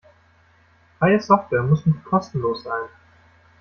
Freie Software muss nicht kostenlos sein.